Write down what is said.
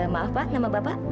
maaf pak nama bapak